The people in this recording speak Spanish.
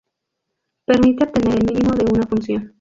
Permite obtener el mínimo de una función.